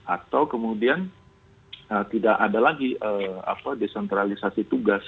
atau kemudian tidak ada lagi desentralisasi tugas